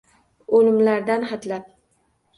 O’limlardan xatlab…